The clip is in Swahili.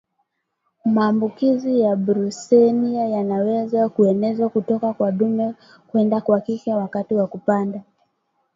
Maambukizi ya Brusela yanaweza kuenezwa kutoka kwa dume kwenda kwa jike wakati wa kupanda